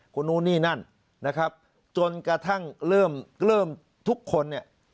คนนู้นนี่นั่นนะครับจนกระทั่งเริ่มเริ่มทุกคนเนี่ย